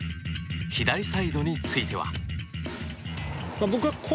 左サイドについては。